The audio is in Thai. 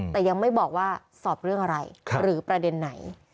แต่ยังไม่บอกว่าสอบเรื่องอะไรหรือประเด็นไหน